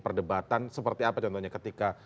perdebatan seperti apa contohnya ketika